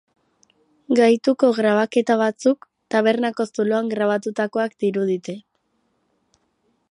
Gaituko grabaketa batzuk tabernako zuloan grabatutakoak dirudite.